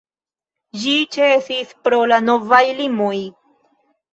Ĝi ĉesis pro la novaj limoj.